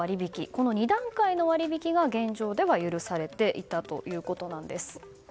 この２段階の割引が現状では許されていたということです。